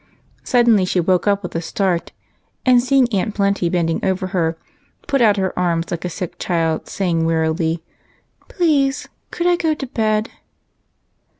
Suddenly she woke \x^ with a start, and seeing Aunt Plenty bending over her, jDut out her arms like a sick child, saying wearily, —" Please, could I go to bed